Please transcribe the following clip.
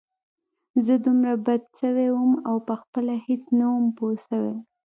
زه دومره بدل سوى وم او پخپله هېڅ نه وم پوه سوى.